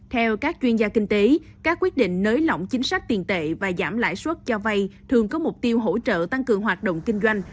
theo các chuyên gia kinh tế các quyết định nới lỏng chính sách tiền tệ và giảm lãi suất cho vay thường có mục tiêu hỗ trợ tăng cường hoạt động kinh doanh